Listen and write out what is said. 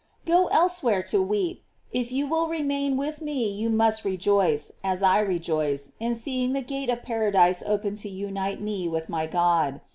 "* Go elsewhere to weep; if you will remain with me you must rejoice, as I rejoice, in seeing the gate of paradise open to unite me with my God.